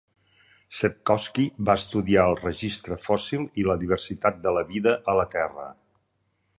Sepkoski va estudiar el registre fòssil i la diversitat de la vida a la terra.